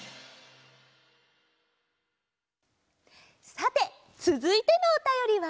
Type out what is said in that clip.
さてつづいてのおたよりは。